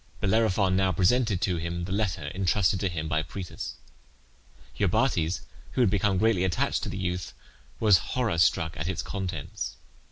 Bellerophon now presented to him the letter intrusted to him by Proetus. Iobates, who had become greatly attached to the youth, was horror struck at its contents.